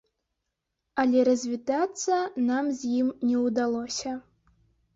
Але развітацца нам з ім не ўдалося.